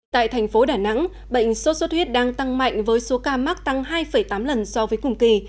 tại thành phố đà nẵng bệnh sốt xuất huyết đang tăng mạnh với số ca mắc tăng hai tám lần so với cùng kỳ